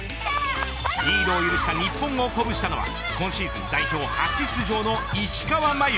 リードを許した日本を鼓舞したのは今シーズン代表初出場の石川真佑。